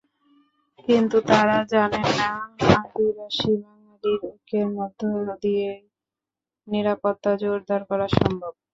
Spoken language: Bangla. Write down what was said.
কিন্তু তাঁরা জানেন না, আদিবাসী-বাঙালির ঐক্যের মধ্য দিয়েই নিরাপত্তা জোরদার করা সম্ভব।